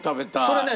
それね